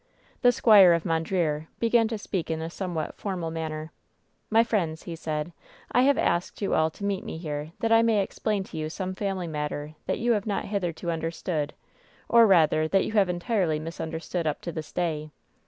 The squire of Mondreer began to speak in a somewhat formal manner. '*My friends," he said, "I have asked you all to meet me here that I may explain to you some family matter that you have not hitherto understood, or rather, that you have entirely misunderstood up to this day."